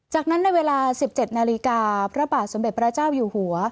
จากนั้นในเวลา๑๗นาฬิกาพระบาทสมเด็จพระเจ้าอยู่หัว